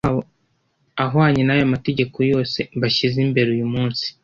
ahwanye n’aya mategeko yose mbashyize imbere uyu munsi? “